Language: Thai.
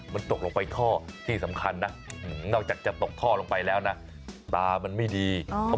มันตกลงไปท่อที่สำคัญนะนอกจากจะตกท่อลงไปแล้วนะตามันไม่ดี